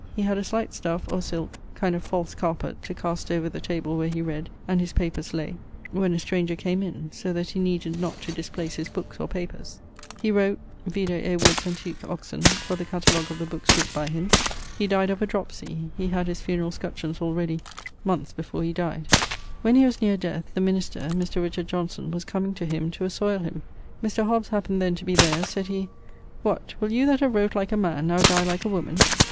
He had a slight stuffe, or silke, kind of false carpet, to cast over the table where he read and his papers lay, when a stranger came in, so that he needed not to displace his bookes or papers. He wrote ...: vide A. Wood's Antiq. Oxon. for the catalogue of the bookes writt by him. He dyed of a dropsey; he had his funerall scutcheons all ready ... moneths before he dyed. When he was neer death, the minister (Mr. Johnson) was comeing to him to assoile him: Mr. Hobbes happened then to be there; sayd he, 'What, will you that have wrote like a man, now dye like a woman?'